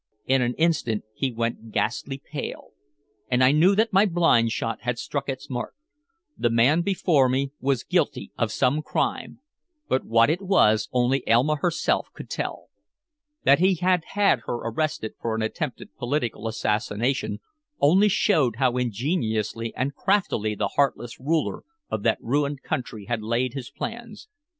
In an instant he went ghastly pale, and I knew that my blind shot had struck its mark. The man before me was guilty of some crime, but what it was only Elma herself could tell. That he had had her arrested for an attempted political assassination only showed how ingeniously and craftily the heartless ruler of that ruined country had laid his plans.